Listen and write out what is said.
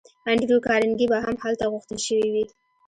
انډریو کارنګي به هم هلته غوښتل شوی وي